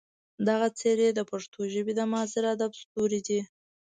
دغه څېرې د پښتو ژبې د معاصر ادب ستوري دي.